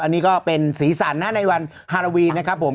อันนี้ก็เป็นสีสันนะในวันฮาโลวีนนะครับผม